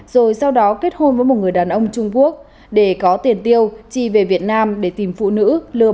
rồi sau đó kết hôn với một người đàn ông trung quốc để có tiền tiêu chi về việt nam để tìm phụ nữ lừa